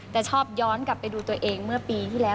แต่ชอบย้อนกลับไปดูตัวเองเมื่อปีที่แล้ว